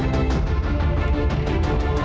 นรรห้าหรือเปล่า